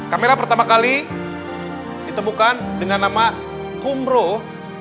kamera pertama kali ditemukan dengan nama kumbroh